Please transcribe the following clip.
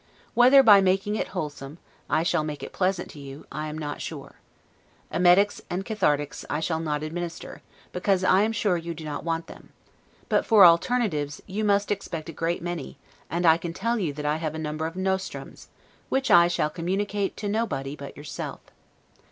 Whether, by making it wholesome, I shall make it pleasant to you, I am not sure. Emetics and cathartics I shall not administer, because I am sure you do not want them; but for alteratives you must expect a great many; and I can tell you that I have a number of NOSTRUMS, which I shall communicate to nobody but yourself.